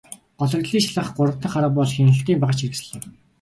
Гологдлыг шалгах гурав дахь арга бол хяналтын багажхэрэгслэл юм.